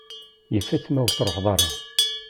Yif-it ma ur truḥeḍ ara.